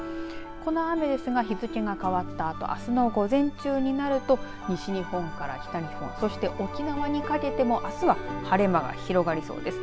この雨ですが日付が変わったあとあすの午前中になると西日本から北日本そして沖縄にかけてもあすは晴れ間が広がりそうです。